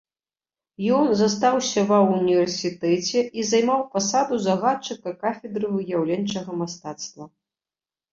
Ён застаўся ва ўніверсітэце і займаў пасаду загадчыка кафедры выяўленчага мастацтва.